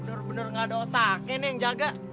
bener bener gak ada otaknya nih yang jaga